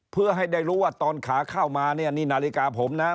เพื่อให้ได้รู้ว่าตอนขาเข้ามาเนี่ยนี่นาฬิกาผมนะ